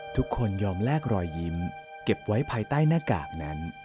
ทุกคนยอมแลกรอยยิ้มเก็บไว้ภายใต้หน้ากากนั้น